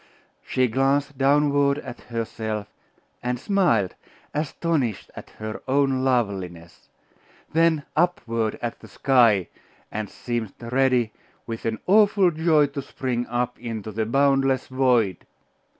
She glanced downward at herself; and smiled, astonished at her own loveliness; then upward at the sky; and seemed ready, with an awful joy, to spring up into the boundless void.